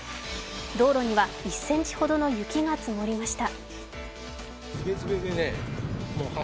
道路には１ｃｍほどの雪が積もりました。